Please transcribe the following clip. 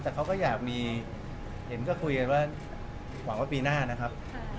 แต่เขาก็อยากมีเห็นก็คุยกันว่าหวังว่าปีหน้านะครับ